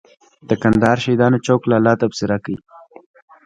د کندهار شهیدانو چوک لالا تبصره کوي.